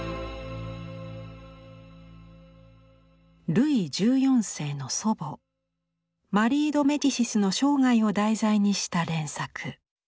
ルイ１４世の祖母マリー・ド・メディシスの生涯を題材にした連作。